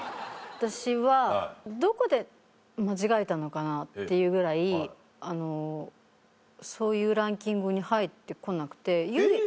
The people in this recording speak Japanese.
私はどこで間違えたのかなっていうぐらいそういうランキングに入って来なくて。えっ？